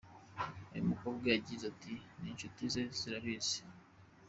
Uyu mukobwa yagize ati :« N’inshuti ze zirabizi.